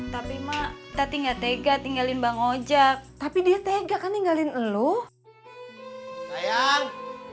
tapi maktati enggak tega tinggalin bang ojak tapi dia tega kan tinggalin elo sayang